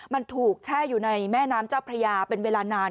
มันถูกแช่อยู่ในแม่น้ำเจ้าพระยาเป็นเวลานาน